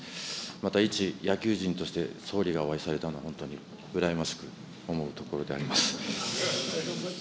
また一野球人として、総理がお会いされたのは本当にうらやましく思うところでございます。